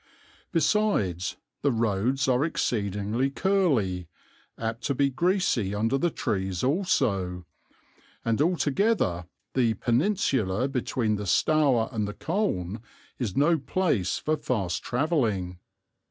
Besides, the roads are exceeding curly, apt to be greasy under the trees also, and altogether the peninsula between the Stour and the Colne is no place for fast travelling.